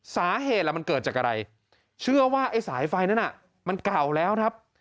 สาเหตุล่ะมันเกิดจากอะไรเชื่อว่าไอ้สายไฟนั้นมันเก่าแล้วครับ